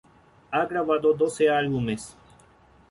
Ha grabado doce álbumes.